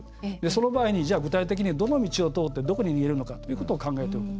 その場合に、具体的にどの道を通って、どこに逃げるかということを考えておく。